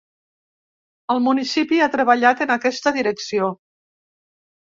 El municipi ha treballat en aquesta direcció.